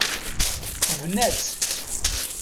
Tebna-tt.